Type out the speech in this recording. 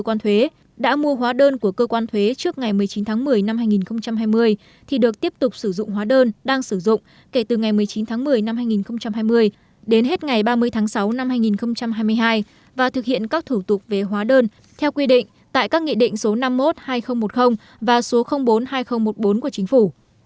cơ quan thuế đã mua hóa đơn của cơ quan thuế trước ngày một mươi chín tháng một mươi năm hai nghìn hai mươi thì được tiếp tục sử dụng hóa đơn đang sử dụng kể từ ngày một mươi chín tháng một mươi năm hai nghìn hai mươi đến hết ngày ba mươi tháng sáu năm hai nghìn hai mươi hai và thực hiện các thủ tục về hóa đơn theo quy định tại các nghị định số năm mươi một hai nghìn một mươi và số bốn hai nghìn một mươi bốn của chính phủ